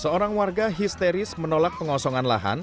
seorang warga histeris menolak pengosongan lahan